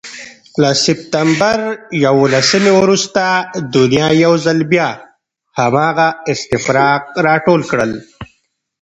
له سپتمبر یوولسمې وروسته دنیا یو ځل بیا هماغه استفراق راټول کړ.